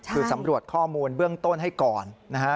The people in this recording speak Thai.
คือสำรวจข้อมูลเบื้องต้นให้ก่อนนะฮะ